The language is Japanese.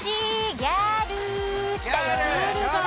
ギャルだ！